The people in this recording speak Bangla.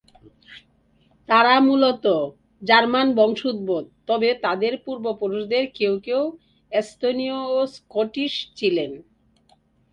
তারা মূলত জার্মান বংশোদ্ভূত, তবে তাদের পূর্বপুরুষদের কেউ কেউ এস্তোনীয় ও স্কটিশ ছিলেন।